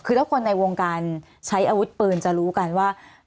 คือถ้าคนในวงการใช้อาวุธปืนจะรู้กันว่า